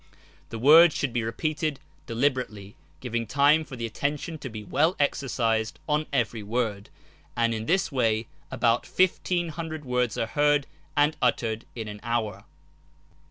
The words should be repeated deli berately, giving time for the attention to be well exercised on every word, and in this way about fifteen hundred words are heard and uttered in an hour.